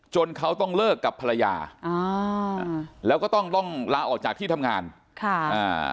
เขาต้องเลิกกับภรรยาอ่าแล้วก็ต้องต้องลาออกจากที่ทำงานค่ะอ่า